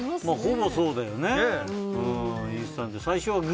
ほぼ、そうだよね。